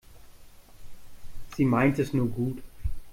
Sie meint es nur gut.